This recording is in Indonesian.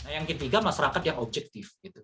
yang ketiga masyarakat yang objektif